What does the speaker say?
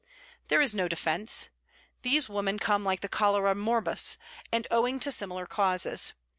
There is no defence: Those women come like the Cholera Morbus and owing to similar causes.